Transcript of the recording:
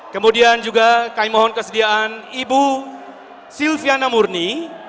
kemudian juga kami mohon kesediaan ibu silviana murni